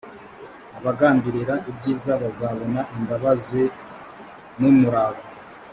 abagambirira ibyiza bazabona imbabazi n umurava